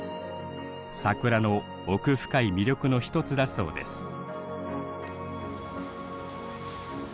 桜の奥深い魅力の一つだそうです